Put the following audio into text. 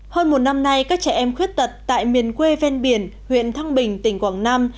hơn một năm nay các trẻ em khuyết tật tại miền quê ven biển huyện thăng bình tỉnh quảng nam